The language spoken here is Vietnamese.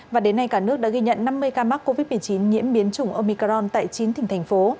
và đến nay cả nước đã ghi nhận năm mươi ca mắc covid một mươi chín nhiễm biến chủng omicron tại chín tỉnh thành phố